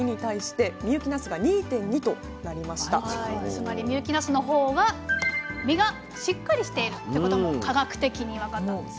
つまり深雪なすの方が実がしっかりしているっていうことも科学的に分かったんですね。